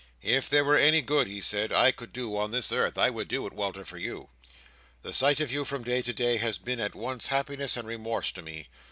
"If there were any good," he said, "I could do on this earth, I would do it, Walter, for you. The sight of you from day to day, has been at once happiness and remorse to me.